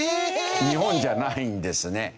日本じゃないんですね。